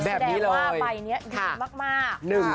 แสดงว่าใบนี้ดีมาก